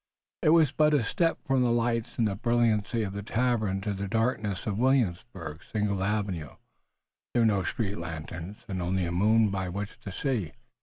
It was but a step from the lights and brilliancy of the tavern to the darkness of Williamsburg's single avenue. There were no street lanterns, and only a moon by which to see.